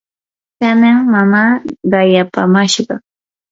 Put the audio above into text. kanan mamaa qayapamashqa